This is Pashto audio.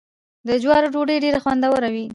د جوارو ډوډۍ ډیره خوندوره وي.